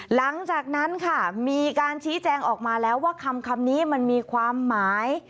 หลังจากนั้นค่ะมีการชี้แจงออกมาแล้วว่าคำนี้มันมีความหมาย